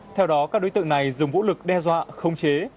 theo đó các đối tượng này dùng vũ lực đe dọa khống chế